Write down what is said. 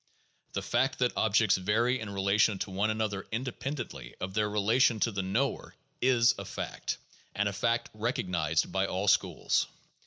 The fact that objects vary in relation to one an other independently of their relation to the "knower" is a fact, and a fact recognized by all schools.